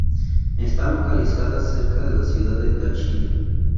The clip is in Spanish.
Están localizadas cerca la ciudad de Lachine.